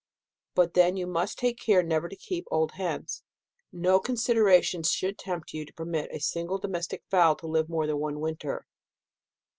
But then you must take care never to keep old hens. No consideration should tempt you to permit a single domestic fowl to Jive more than one winter.